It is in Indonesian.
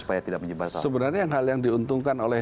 supaya tidak menyebar sebenarnya yang hal yang diuntungkan